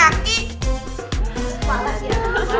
walah dia walah dia